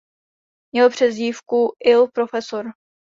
Měl přezdívku "il Profesor".